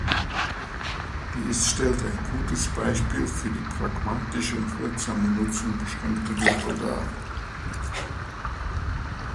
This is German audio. Dies stellt ein gutes Beispiel für die pragmatische und wirksame Nutzung beschränkter Mittel dar.